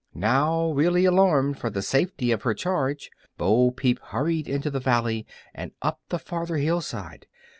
Now really alarmed for the safety of her charge, Bo Peep hurried into the valley and up the farther hill side.